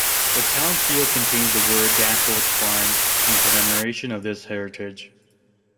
The town's seal contains the words "Danforth's Farm" in commemoration of this heritage.